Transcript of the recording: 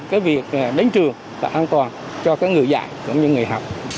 cái việc đánh trường là an toàn cho các người dạy cũng như người học